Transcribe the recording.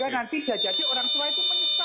sehingga nanti jajan orang tua itu menyesal ya